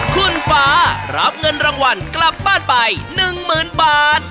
คุณฟ้ารับเงินรางวัลกลับบ้านไป๑๐๐๐บาท